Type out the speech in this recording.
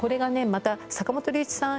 また坂本龍一さん